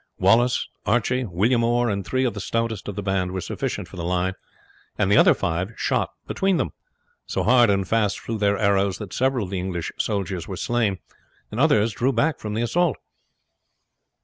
Wallace, Archie, William Orr, and three of the stoutest of the band were sufficient for the line, and the other five shot between them. So hard and fast flew their arrows that several of the English soldiers were slain, and the others drew back from the assault.